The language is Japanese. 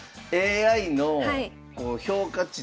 ＡＩの評価値